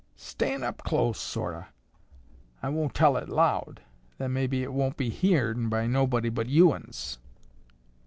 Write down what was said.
"Stan' up close, sort o'. I won't tell it loud; than mabbe it won't be heern by nobody but you uns."